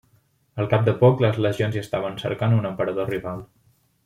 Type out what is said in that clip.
Al cap de poc, les legions ja estaven cercant un emperador rival.